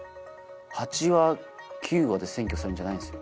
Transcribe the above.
８話９話で占拠されるんじゃないんですよ。